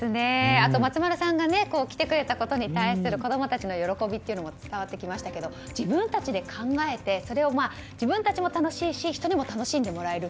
あと、松丸さんが来てくれたことに対する子供たちの喜びも伝わってきましたけど自分たちで考えてそれを自分たちも楽しいし人にも楽しんでもらえる。